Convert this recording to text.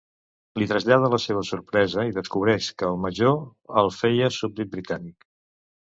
Li trasllada la seva sorpresa i descobreix que el major el feia súbdit britànic.